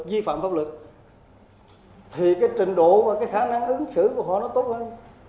di phạm pháp luật thì cái trình độ và cái khả năng ứng xử của họ nó tốt hơn